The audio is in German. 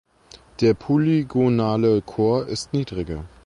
Der polygonale Chor ist niedriger.